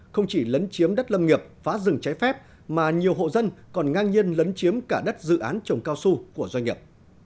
không chỉ lấn chiếm đất lâm nghiệp phá rừng cháy phép mà nhiều hộ dân còn ngang nhiên lấn chiếm cả đất dự án trồng cao su của doanh nghiệp